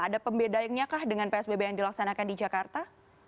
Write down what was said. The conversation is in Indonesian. ada pembedaannya kah dengan psbb yang dilaksanakan di jakarta